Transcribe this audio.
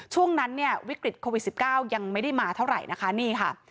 ช่วงนั้นวิกฤตโควิด๑๙ยังไม่ได้มาเท่าไหร่นะคะ